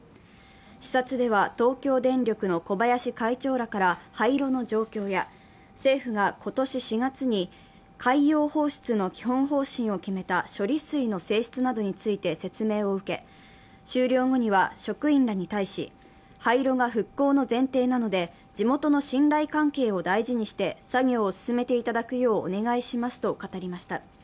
視察では東京電力の小林会長らから廃炉の状況や、政府が今年４月に海洋放出の基本方針を決めた処理水の性質などについて説明を受け、終了後には職員らに対し廃炉が復興の前提なので地元の信頼関係を大事にして大事にして作業を進めていただくようお願いしますと語りました。